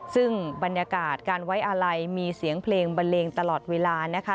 ซึ่งบรรยากาศการไว้อาลัยมีเสียงเพลงบันเลงตลอดเวลานะคะ